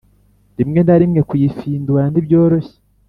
rimwe na rimwe kuyifindura ntibyoroshye